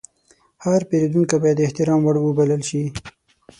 هر پیرودونکی باید د احترام وړ وبلل شي.